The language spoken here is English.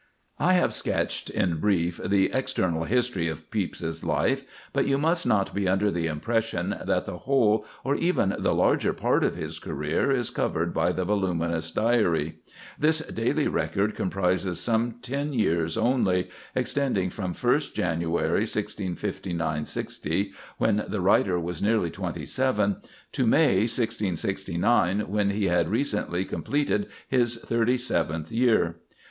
I have sketched in brief the external history of Pepys's life, but you must not be under the impression that the whole, or even the larger part of his career, is covered by the voluminous Diary. This daily record comprises some ten years only, extending from 1st January, 1659 60, when the writer was nearly twenty seven, to May, 1669, when he had recently completed his thirty seventh year.